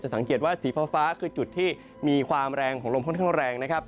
สังเกตว่าสีฟ้าคือจุดที่มีความแรงของลมค่อนข้างแรงนะครับ